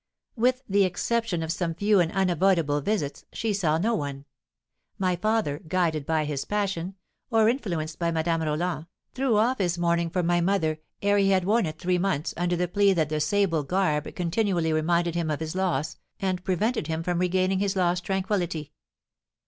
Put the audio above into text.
"With the exception of some few and unavoidable visits, she saw no one. My father, guided by his passion, or influenced by Madame Roland, threw off his mourning for my mother ere he had worn it three months, under the plea that the sable garb continually reminded him of his loss, and prevented him from regaining his lost tranquillity.